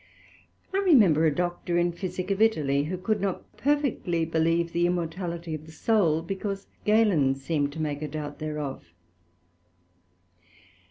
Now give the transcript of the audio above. I remember a Doctor in Physick of Italy, who could not perfectly believe the immortality of the Soul, because Galen seemed to make a doubt thereof.